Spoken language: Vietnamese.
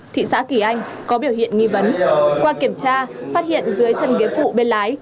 thị xã kỳ anh có biểu hiện nghi vấn qua kiểm tra phát hiện dưới chân điếm phụ bên lái